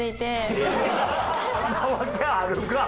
そんなわけあるか！